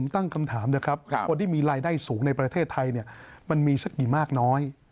ถ้ามีรายได้สูงในประเทศไทยมันมีสักกี่มากน้อย